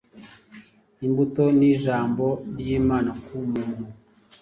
Imbuto ni Ijambo ry’Imana ku muntu